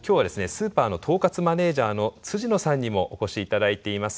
スーパーの統括マネージャーの野さんにもお越し頂いています。